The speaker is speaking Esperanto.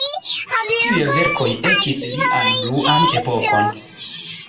Tiuj verkoj ekis lian "bluan epokon".